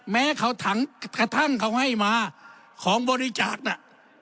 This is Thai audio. แม้เขาถังกระทั่งเขาให้มาของบริจาคน่ะ